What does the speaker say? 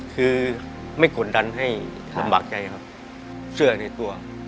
คือไม่กดดันให้ลำบากใจครับเสื้อในตัว